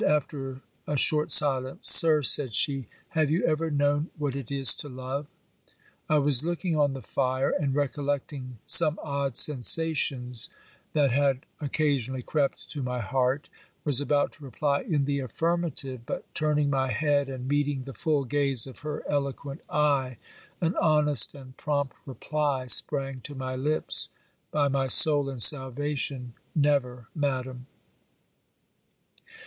After a short silence, 'Sir,' said she, 'have you ever known what it is to love?' I was looking on the fire; and, recollecting some odd sensations that had occasionally crept to my heart, was about to reply in the affirmative, but turning my head and meeting the full gaze of her eloquent eye, an honest and prompt reply sprang to my lips 'By my soul and salvation, never, Madam!